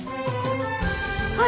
はい！